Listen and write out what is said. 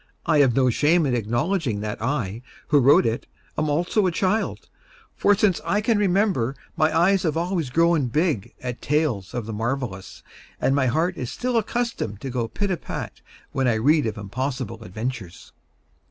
I have no shame in acknowledging that I, who wrote it, am also a child; for since I can remember my eyes have always grown big at tales of the marvelous, and my heart is still accustomed to go pit a pat when I read of impossible adventures.